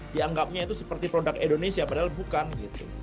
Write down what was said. dianggapnya itu seperti produk indonesia padahal bukan gitu